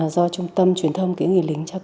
do trung tâm truyền thông